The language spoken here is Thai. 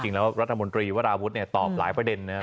จริงแล้วรัฐบนตรีว่าราวุฒิตอบหลายประเด็นนะครับ